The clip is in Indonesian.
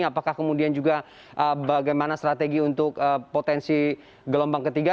apakah kemudian juga bagaimana strategi untuk potensi gelombang ketiga